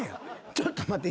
ちょっと待って。